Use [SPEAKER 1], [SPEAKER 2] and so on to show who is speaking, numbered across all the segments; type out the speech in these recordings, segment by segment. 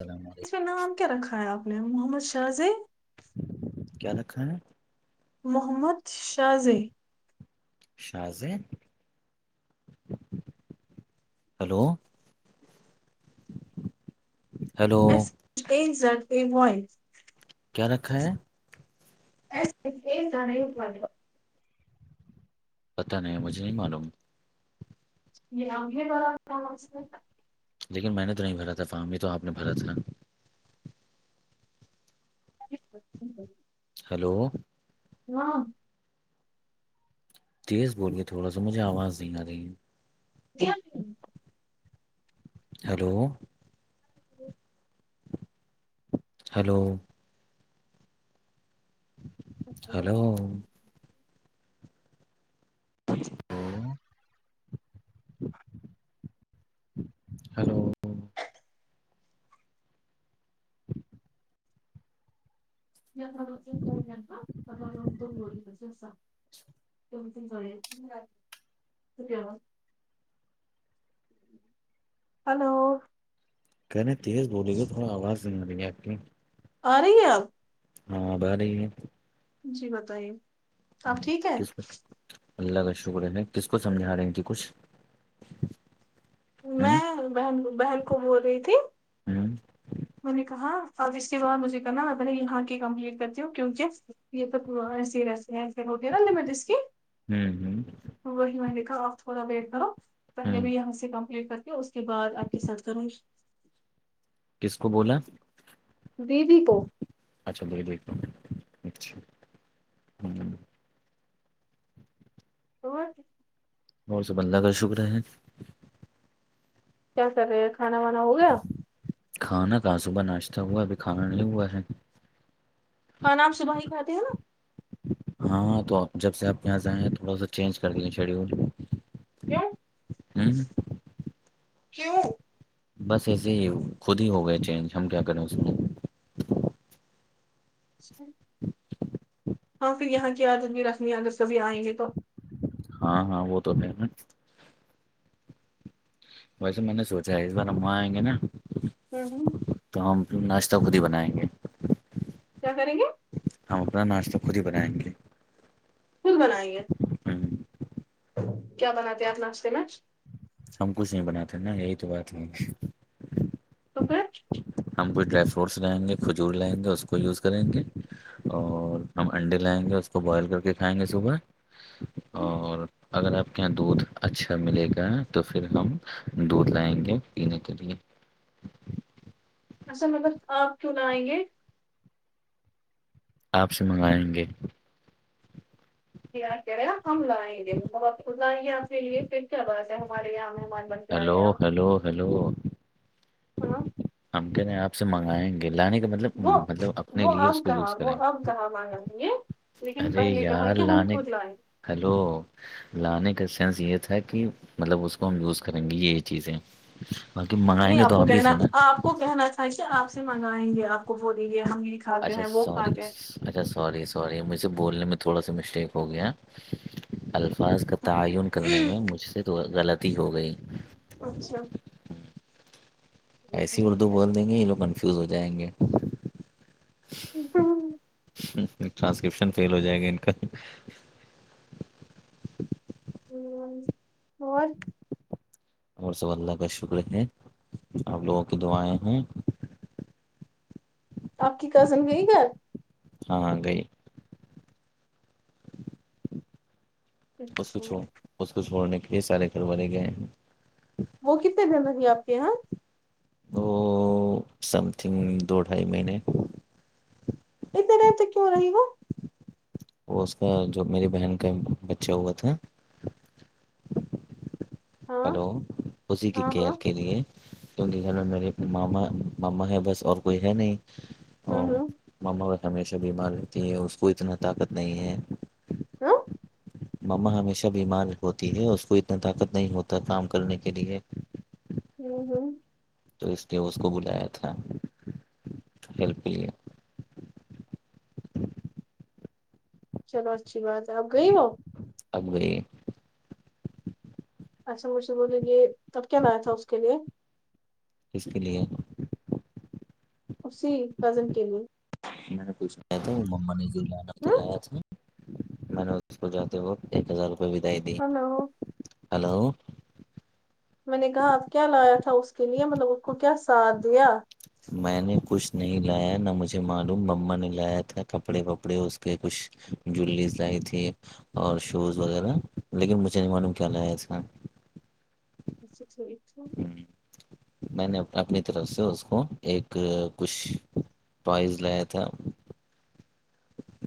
[SPEAKER 1] السلام
[SPEAKER 2] اس
[SPEAKER 1] علیکم
[SPEAKER 2] میں نام کیا رکھا ہے آپ نے محمد شاہزی
[SPEAKER 1] کیا رکھا ہے
[SPEAKER 2] محمد شا زے
[SPEAKER 1] شاہ زیں ہلو ہیلو
[SPEAKER 2] پزر پ وائ
[SPEAKER 1] کیا رکھا ہے
[SPEAKER 2] [unintelligible]
[SPEAKER 1] پتاہ نہیں ہے مجھے نہیں معلوم
[SPEAKER 2] یہ ن ہمگ برا منسنتاا
[SPEAKER 1] لیکن میں نے تو نہیں بھرا تھا فم ہی تو آپ نے بھرا تھا
[SPEAKER 2] [unintelligible]
[SPEAKER 1] ہیلو
[SPEAKER 2] ہاں
[SPEAKER 1] تیز بوللیے تھوا س مجھے آواز دین آا رہی
[SPEAKER 2] [unintelligible]
[SPEAKER 1] ہلو
[SPEAKER 2] [inaudible]
[SPEAKER 1] ہیلو ہلو ہوں ہلو
[SPEAKER 2] ت ل دون دوور جسے سا د تین جوڑک ہلو
[SPEAKER 1] کہہیں تیز بولیے گ تھوڑا آواز ز رہی ہے آپ کی
[SPEAKER 2] آ رہی ہیں آپ
[SPEAKER 1] ہاں بہ رہ ہے
[SPEAKER 2] جی بتائیے آپ ٹھیک ہے
[SPEAKER 1] کس کو اللہ کا شکر ہے کس کو سمجھا رہے ہیں ت کچھ ہوں
[SPEAKER 2] میں بہن بہن کو بول رہی تھی
[SPEAKER 1] ہوں
[SPEAKER 2] میں نے کہا اب اس کے بد مجھے کرنا میں پہلے یہاں کی کمپلیٹ کرتی ہوں کیونکہ یہ تو سیگ ہو نا لمٹ اس کی
[SPEAKER 1] ہوں ہوں
[SPEAKER 2] وہی میں دیکھا اور تھوڑا ویٹ کرو پہلے
[SPEAKER 1] ہوں
[SPEAKER 2] بھی یہاں سے کم ل کر کے اس کے بعد آپ کے ساتھ کروں گی
[SPEAKER 1] کس کو بولا
[SPEAKER 2] وی و پو
[SPEAKER 1] اچھا ب د ہ
[SPEAKER 2] ہو
[SPEAKER 1] اور سب اللہ کا شکر ہے
[SPEAKER 2] کیا کر رہے ہیں کھانا وانا ہو گیا
[SPEAKER 1] کھانا کہاں صبح ناشتہ ہوا ابھی کھانا نہیںے ہوا ہے
[SPEAKER 2] ہ نام صبح ہی کھات ہیں نا
[SPEAKER 1] ہاں تو جب سے آپ یہاں سے آائیں تھوڑا سا چینج کر دیے شیڈیول
[SPEAKER 2] کیوں
[SPEAKER 1] ہوں
[SPEAKER 2] کیوں
[SPEAKER 1] بس ایسے ہی خود ہی ہو گیا چینج ہم کیا کریں اس میں
[SPEAKER 2] اچھ ہاں پھر یہاں کی عادت بھی رکھمی اگر سبھی آئیں گے تو
[SPEAKER 1] ہاں ہاں وہ تو ہے ن ویسے میں نے سوچا ہے اس بار ہم وہاں آئ گے نا
[SPEAKER 2] [unintelligible]
[SPEAKER 1] تو ہم ناشتہ خود ہی بنائیں گے
[SPEAKER 2] کیا کریں گے
[SPEAKER 1] ہم اپنا ناشت خود ہی بنائیں گے
[SPEAKER 2] خود بنائیں گے
[SPEAKER 1] ہوں
[SPEAKER 2] کیا بناتے ہیں آپ ناشتے میں
[SPEAKER 1] ہم کچھ نہیں بناتے نا یہی تو بات نہیں
[SPEAKER 2] اکر
[SPEAKER 1] ہم کوئی ڈرائی فروٹس لگائیں گے کھجور لائیں گے اس کو یوز کریں گے اور ہم انڈے لائیں گے اس کو بوائل کر کے کھائیں گے صبح اور اگر آپ کے یہاں دودھ اچھا ملے گا تو پھر ہم دودھ لائیں گے پینے کے لیے
[SPEAKER 2] [inaudible] اصل مطلب آگ کیوں نہ آئیں گے
[SPEAKER 1] آپ سے منگائیں گے
[SPEAKER 2] یہ کہہ رہے ہم لائیں گے لائیں گے آپ کے لیے پھر کیا بات ہے ہمارے یہاں مہمان بن کے آئے
[SPEAKER 1] ہیلو
[SPEAKER 2] آپ
[SPEAKER 1] ہلو ہلو
[SPEAKER 2] ہاں
[SPEAKER 1] [unintelligible] سے منگائیں گے لانے کا مطلب
[SPEAKER 2] وہ
[SPEAKER 1] مطلب اپنے
[SPEAKER 2] وہ
[SPEAKER 1] لیے
[SPEAKER 2] اب
[SPEAKER 1] اس کو
[SPEAKER 2] کہاں
[SPEAKER 1] یوز کریں
[SPEAKER 2] وہ اب کہاں مانگا
[SPEAKER 1] گے
[SPEAKER 2] یہ لیکن
[SPEAKER 1] ارے
[SPEAKER 2] پہلے کہا
[SPEAKER 1] یار
[SPEAKER 2] کہ ہم
[SPEAKER 1] لان
[SPEAKER 2] خود لائیں گے۔
[SPEAKER 1] ہلو لانے کا سینس یہ تھا کہ مطلب اس کو ہم یوز کریں گی یہ چیزیں باقی منگائیں
[SPEAKER 2] نہیں
[SPEAKER 1] گے
[SPEAKER 2] آپ
[SPEAKER 1] تو
[SPEAKER 2] کو
[SPEAKER 1] ہی سے
[SPEAKER 2] کہنا
[SPEAKER 1] نا
[SPEAKER 2] آپ کو کہنا تھااہشے آپ سے منگائیں گے آپ کو بول دیں گے ہم کھاتے
[SPEAKER 1] اچھا
[SPEAKER 2] ہیں وہ
[SPEAKER 1] سوری
[SPEAKER 2] کھاتے ہیں
[SPEAKER 1] اچھا سوری سوری مجھے بولنے میں تھوڑا سا مسٹیک ہو گیا الفاظ کا تعین کرنے میں مجھ سے تو غلطی ہو گئی
[SPEAKER 2] اچھا
[SPEAKER 1] ایسے ہی اردو
[SPEAKER 2] ٹھیک ہے
[SPEAKER 1] بول دیں گے یہ لوگ کنفیوز ہو جائیں گے
[SPEAKER 2] [inaudible]
[SPEAKER 1] ٹرانسکرپشن فیل ہو جائے گا ان کا
[SPEAKER 2] ہمم اور
[SPEAKER 1] اور سب اللہ کا شکر ہے آپ لوگوں کی دعائیں ہیں
[SPEAKER 2] آپ کی کزن گئی گھر
[SPEAKER 1] ہاں گئی اس کو
[SPEAKER 2] اچھا
[SPEAKER 1] چھو اس کو چھوڑنے کے لیے سارے گھر والے گئے ہیں
[SPEAKER 2] وہ کتنے دن رہی آپ کے یہاں
[SPEAKER 1] وہ سم تھنگ دو ڈھائی مہینے
[SPEAKER 2] اتنے ریر تو کیوں رہی گا
[SPEAKER 1] وہ اس کا جو میری بہن کا بچہ ہوا تھا
[SPEAKER 2] ہاں
[SPEAKER 1] ہلو اسی کی
[SPEAKER 2] ہاں ہاں
[SPEAKER 1] کیئر کے لیے کیونکہ ھر میں میرے ماما ماما ہے بس اور کوئی ہے نہیں
[SPEAKER 2] ہمم ہممم
[SPEAKER 1] مما ب ہمیشہ بیمار رہتی ہے اس کو اتنا طاقت نہیں ہے
[SPEAKER 2] ہاں
[SPEAKER 1] مما ہمیشہ بیمار ہوتی ہے اس کو اتنا طاقت نہیں ہوتا کام کرنے کے لیے
[SPEAKER 2] ہمم ہمم
[SPEAKER 1] تو اس لیے اس کو بلایا تھا ہیلپ لیے
[SPEAKER 2] چلو اچھی بات ہے آپ گئی ہو
[SPEAKER 1] اب گئی
[SPEAKER 2] اچھا مجھے بولے یہ تب کیا ل آیا تھا اس کے لیے
[SPEAKER 1] کس کے لیے
[SPEAKER 2] اسی کزن کے لیے
[SPEAKER 1] میں نے پوچھنایا تھا وہ مما نے ج لانا
[SPEAKER 2] ہوں
[SPEAKER 1] چلایا تھا میں نے اس کو جاتے وہق ایک ہزار روپئے بدائی دی
[SPEAKER 2] ہلو
[SPEAKER 1] ہلو
[SPEAKER 2] میں نے کہا کیا لایا تھا اس کے لیے مطلب اس کو کیا ساتھ دیا
[SPEAKER 1] میں نے کچھ نہیں لایا نہ مجھے معلوم مما نے لایا تھا کپڑے وپڑے اس کے کچھ جولیز لائی تھی اور شوز وغیرہ لیکن مجھے نہیں معلوم کیا لگایا اس کا
[SPEAKER 2] اچھا ٹھیک
[SPEAKER 1] میں نے اپنی طرف سے اس کو ایک کچھ ٹوائز لایا تھا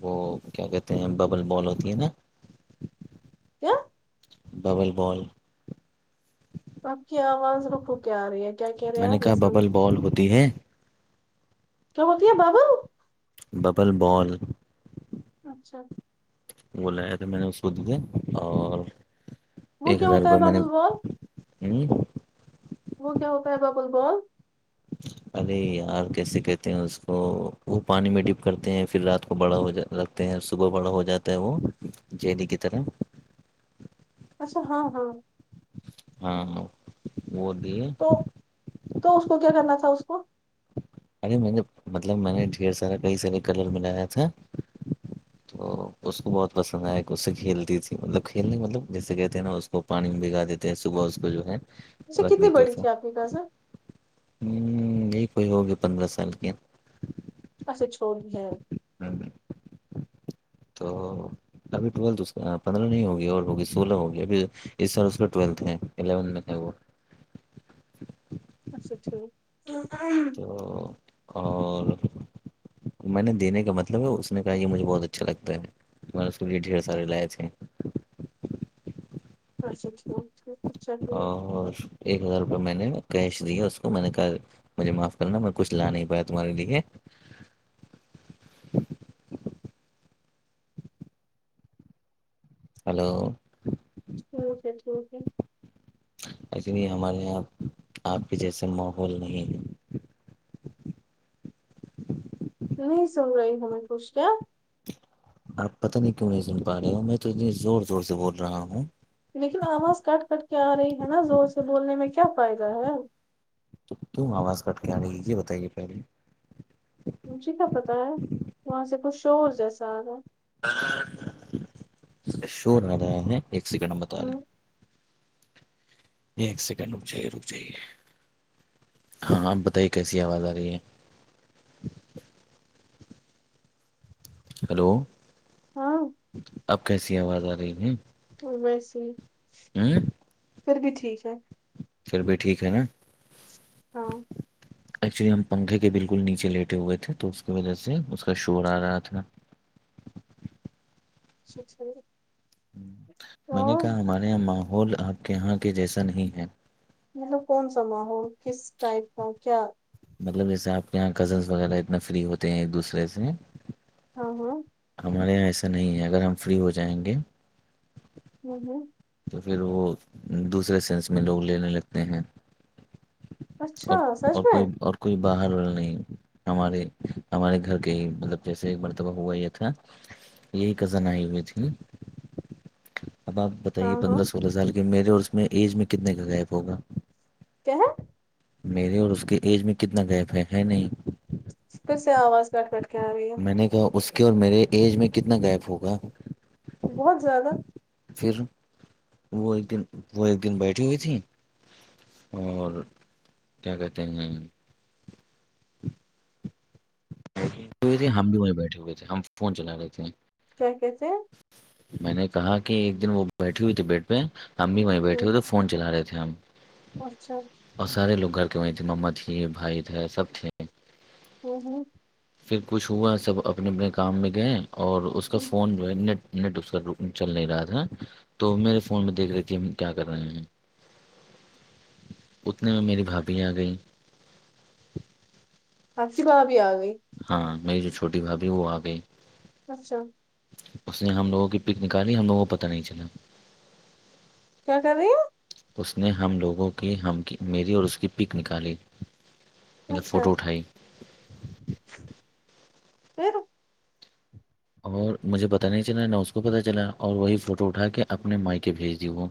[SPEAKER 1] وہ کیا کہتے ہیں ببل بال ہوتی ہے نا
[SPEAKER 2] کیا
[SPEAKER 1] ببل بال
[SPEAKER 2] آپ کی آواز رکو کیا آ رہی ہے کیا کہہ رہے ہیں
[SPEAKER 1] نے
[SPEAKER 2] آپ میں
[SPEAKER 1] کہا
[SPEAKER 2] سمجھ
[SPEAKER 1] ببل بال ہوتی ہے
[SPEAKER 2] کی ہوتی ہے ببل
[SPEAKER 1] ببل بال
[SPEAKER 2] اچھا
[SPEAKER 1] وہ لایا تھا میں نے اس کو دیا اور
[SPEAKER 2] وہ
[SPEAKER 1] ایک
[SPEAKER 2] کیا
[SPEAKER 1] ہزار
[SPEAKER 2] ہوتا ہے
[SPEAKER 1] روپئے میں نے
[SPEAKER 2] ببل بال
[SPEAKER 1] ہوں
[SPEAKER 2] وہ کیا ہو پائے ب بول بول [inaudible]
[SPEAKER 1] ارے یار کیسے کہتے ہیں اس کو وہ پانی میں ڈپ کرتے ہیں پھر رات کو بڑا ہو جا ہیں صبح بڑا ہو جاتا ہے وہ جیلیی کی طرح
[SPEAKER 2] اچھا ہاں ہاں
[SPEAKER 1] ہاں وہ د
[SPEAKER 2] تو تو اس کو کیا کرنا تھا اس کو
[SPEAKER 1] ارے میں نے مطلب میں نے ڈھیر سارا کئی سارے کلر بلایا تھا تو اس کو بہت پسند آیا کہ اسے کھیلتی تھی مطلب کھیلنے مطلب جیسے کہتے ہیں نا وہ پانی میں بگا دیتے ہیں صبح اس کو جو ہے
[SPEAKER 2] اچھا
[SPEAKER 1] رکھ
[SPEAKER 2] کتنی
[SPEAKER 1] دیتے
[SPEAKER 2] بڑی
[SPEAKER 1] تھے ہ
[SPEAKER 2] تھی آپ کی کزن
[SPEAKER 1] یہی کوئی ہوگیا پندرہ سال کی
[SPEAKER 2] اچھا چھو ہے
[SPEAKER 1] ہم، تو ابھی ٹویلتھ کا پندرہ نہیں ہوگی اور ہوگی سولہ ہوگی ابھی اس سال اس کا ٹویلتھ ہے الیون میں ہے وہ
[SPEAKER 2] اچھا ٹھیک
[SPEAKER 1] تو اور میں نے دینے کا مطلب ہے اس نے کہا یہ مجھے بہت اچھا لگتا ہے اس کے لیے ڈھیر سارے لائے تھ ہیں
[SPEAKER 2] اچھا ٹھیک ھ
[SPEAKER 1] اور ایک ہزار روپئے میں نے کیش د اس کو میں نے مجھے معاف کرنا میں کچھ لا نہیں پایا تمہارے لیے ہلو
[SPEAKER 2] ٹ سے تو سے
[SPEAKER 1] ایسے یہ ہمارے یہاں آپ کے جیسے ماحول نہیں ہے
[SPEAKER 2] نہیں سن رہی ہوںیں کچھ کیا
[SPEAKER 1] آپ پتا نہیں کیوں نہیں سن پا رہے ہو میں تنے زور زور سے بول رہا ہوں
[SPEAKER 2] لیکن آواز کٹ کٹ کے آ رہی ہے نا زور سے بولنے میں کیا فائدہ ہے
[SPEAKER 1] تو تم آواز کٹ کے آنے کیی یہ بتائی گی پہلے
[SPEAKER 2] مجھے کیا پتہ ہے وہاں سے کچھ شور جیسا آ رہا
[SPEAKER 1] شور آ رہا ہے ایک سیکنڈ بتا
[SPEAKER 2] ہے
[SPEAKER 1] رہیں ایک سیکنڈ رک جائیے رک جائیے ہاں آپ بتائیے کیسی آواز آ رہی ہے ہلو
[SPEAKER 2] ہاں
[SPEAKER 1] آپ کیسی آواز آ رہی ہے
[SPEAKER 2] ا بس
[SPEAKER 1] [unintelligible]
[SPEAKER 2] پھر بھی ٹھیک ہے
[SPEAKER 1] چھر بھی ٹھیک ہے نا
[SPEAKER 2] [unintelligible]
[SPEAKER 1] ایکچولی ہم پنکھے کے بالکل نیچے لیٹے ہوئے تھے تو اس کی وجہ سے اس کا شور آ رہا تھا
[SPEAKER 2] [unintelligible]
[SPEAKER 1] میں نے
[SPEAKER 2] اور
[SPEAKER 1] کہا ہمارے یہاں ماحول آپ کے یہاں کے جیسا نہیں ہے
[SPEAKER 2] ملو کون سا ماحول کس ٹائپ کا کیا
[SPEAKER 1] مطلب جیسے آپ کے یہاں کزنس وغیرہ اتنے فری ہوتے ہیں ایک دوسرے سے
[SPEAKER 2] ہاں ہاں
[SPEAKER 1] ہمارے یہاں ایسا نہیں ہے اگر ہم فری ہو جائیں گے
[SPEAKER 2] ہوں ہوں
[SPEAKER 1] تو پھر وہ دوسرے سینس میں لوگ لینے لگتے ہیں
[SPEAKER 2] اچھا
[SPEAKER 1] اور
[SPEAKER 2] سچ
[SPEAKER 1] اور
[SPEAKER 2] میں
[SPEAKER 1] کوئی اور کوئی باہر نہیں ہمارے ہمارے گھر کے ہی مطلب جیسے مرتبہ ہوا یہ تھا یہی کزن آئی ہوئی تھی نا اب آپ بتائیے
[SPEAKER 2] ہاں ہاں
[SPEAKER 1] پندرہ سولہ سال کے میرے اس میں ایج میں کتنے کا گیپ ہوگا
[SPEAKER 2] کیا
[SPEAKER 1] میرے اور اس کے ایج میں کتنا گیپ ہے ہے نہیں
[SPEAKER 2] کسے آواز کٹ کٹ کے آی
[SPEAKER 1] میں نے کہ اس کے اور میرے ایج میں کتنا گیپ ہوگا
[SPEAKER 2] بہت زیادہ
[SPEAKER 1] پھر وہ ایک دن وہ ایک دن بیٹھی ہوئی تھی اور کیا کہتے ہیں ہوئے تھے ہم بھی وہیں بیٹھے ہوئے تھے ہم فون چلا رہے تھے
[SPEAKER 2] کیا کہتے ہیں
[SPEAKER 1] میں نے کہا کہ ایک دن وہ بیٹھی ہوئی تھی بیڑ پہ ا بھی وہیں
[SPEAKER 2] ہوں،
[SPEAKER 1] بیٹھے ہوئے تھ فون چلا رہے تھے ہم
[SPEAKER 2] اچھا
[SPEAKER 1] اور سارے لوگ گھر کے وہیں تھے ما تھی بھائی تھے سب تھے
[SPEAKER 2] ہمم ہمم
[SPEAKER 1] پھر کچھ ہوا سب اپنے اپنے کام میں گئے اور اس کا
[SPEAKER 2] ہوں۔
[SPEAKER 1] فون نیٹ نیٹ اس کا چل نہیں رہا تھا تو میرے فون میں دیکھ رہے تھی ہم کیا کر رہے ہیں
[SPEAKER 2] [inaudible]
[SPEAKER 1] اتنے میں میری بھابھی آ گئی
[SPEAKER 2] اپ کی بھا بھی آ گئی
[SPEAKER 1] ہاں میری جو چھوٹی بھابھی وہ آ گئی
[SPEAKER 2] اچھا
[SPEAKER 1] اس نے ہم لوگوں کی پک نک آنی ہم لوگوں کو پتہ نہیں چلا
[SPEAKER 2] کیا کر رہی ہیں
[SPEAKER 1] اس نے ہم لوگوں کی ہم میری اور اس کی پیک نکالی مطلب
[SPEAKER 2] اچھا
[SPEAKER 1] فوٹو اٹھائی
[SPEAKER 2] پھر
[SPEAKER 1] اور مجھے پتہ نہیں چلا نہ اس کو پتہ چلا اور وہی فوٹو اٹھا کے اپنے مائی کے بھیج دی وہ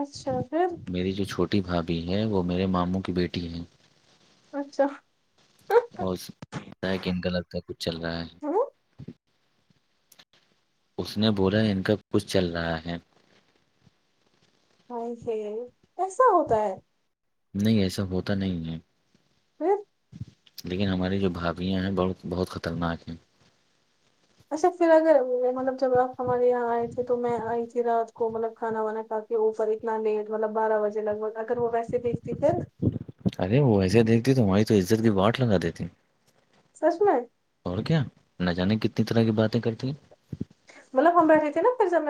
[SPEAKER 2] اچھا پھر
[SPEAKER 1] میری جو چھوٹی بھابھی ہے وہ میرے ماموں کی بیٹی ہے
[SPEAKER 2] اچھا
[SPEAKER 1] اورتا ہے کہ ان کا لگتا کچھ چل رہا
[SPEAKER 2] ہوں،
[SPEAKER 1] ہے اس نے بولا ان کا کچھ چل رہا ہے
[SPEAKER 2] ہے ایسا ہوتا ہے
[SPEAKER 1] نہیں ایسا ہوتا نہیں ہے
[SPEAKER 2] پھر
[SPEAKER 1] لیکن ہماری جو بھابیاں ہیں بہت بہت خطرناک ہیں
[SPEAKER 2] اچھا پھر اگر مطلب جب آپ ہمارے یہاں آئے تھے تو میں آئی تھی رات کو مطلب کھانا وانا کھا کے اوفر اتنا نیٹ مطلب بارہ بجے لگ بگ اگر وہ ویسے دیکھتی تھے
[SPEAKER 1] ارے وہ ویسے دیکھتی تاری تو عزت کی واٹ لگا دیتی
[SPEAKER 2] سچ میں
[SPEAKER 1] اور کیا نہ جانے کتنی طرح کی باتیں کرتی ہیں
[SPEAKER 2] ملا خباٹ دیتی ن پبم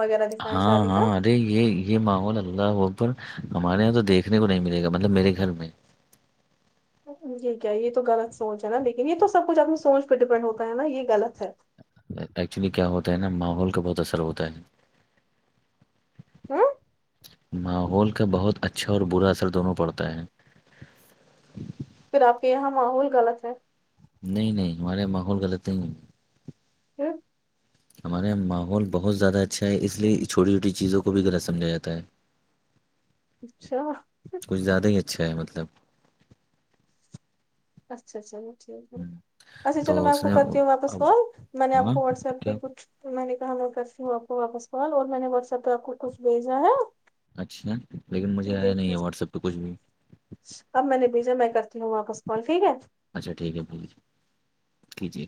[SPEAKER 2] وغیرہ دکھایا
[SPEAKER 1] ہاں
[SPEAKER 2] شادی کا
[SPEAKER 1] ہاں ارے یہ یہ ماحول اللہ اوپر ہمارے یہاں تو دیکھنے کو نہیں ملے گا مطلب میرے گھر میں
[SPEAKER 2] یہ کیا یہ تو غلط سوچ ہے نا لیکن یہ تو سب کچھ اپنی سوچ پہ ڈیپینڈ ہوتا ہے نا یہ غلط ہے
[SPEAKER 1] ایکچولی کیا ہوتا ہے نا ماحول کا بہت اثر ہوتا ہے نا
[SPEAKER 2] ہمم
[SPEAKER 1] ماحول کا بہت اچھا اور برا اثر دونوں پڑتا ہے
[SPEAKER 2] پھر آپ کے یہاں ماحول غلط ہے
[SPEAKER 1] نہیں نہیں ہمارے یہاں ماحول غلط نہیں
[SPEAKER 2] [unintelligible]
[SPEAKER 1] ہمارے یہاں ماحول بہت زیادہ اچھا ہے اس لیے چھوٹی چھوٹی چیزوں کو بھی غلط سمجھا جاتا ہے
[SPEAKER 2] [inaudible]
[SPEAKER 1] کچھ زیادہ ہی اچھا ہے مطلب
[SPEAKER 2] اچھا چلو ٹھیک ہے
[SPEAKER 1] ہوں،
[SPEAKER 2] اچھا چلو
[SPEAKER 1] تو
[SPEAKER 2] میں آپ
[SPEAKER 1] اس
[SPEAKER 2] کو
[SPEAKER 1] نے
[SPEAKER 2] کرتی ہوں واپس
[SPEAKER 1] اب
[SPEAKER 2] کال میں نے آپ
[SPEAKER 1] ہاں
[SPEAKER 2] کو واٹس ایپ
[SPEAKER 1] کیا
[SPEAKER 2] کچھ تو میں نے کہا میں کرتی ہوں آپ کو واپس کال اور میں نے واٹسپ پہ آپ کو کچھ بھیجا ہے
[SPEAKER 1] اچھا لیکن مجھے
[SPEAKER 2] یہ
[SPEAKER 1] آیا نہیں
[SPEAKER 2] دیکھنا
[SPEAKER 1] ہے واٹسپ پہ کچھ بھی
[SPEAKER 2] اب میں نے بھیجا میں کرتی ہوں واپس کال ٹھیک ہے
[SPEAKER 1] اچھا ٹھیک ہے کیجئے